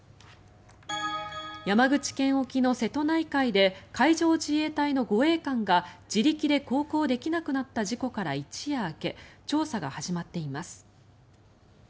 山口県沖の瀬戸内海で海上自衛隊の護衛艦が自力で航行できなくなった事故から一夜明け調査が始まっています。